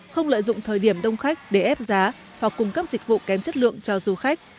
không lợi dụng thời điểm đông khách để ép giá hoặc cung cấp dịch vụ kém chất lượng cho du khách